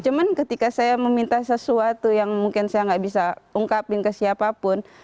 cuma ketika saya meminta sesuatu yang mungkin saya nggak bisa ungkapin ke siapapun